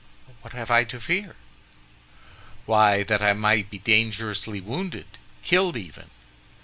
"What have I to fear?" "Why, that I may be dangerously wounded—killed even."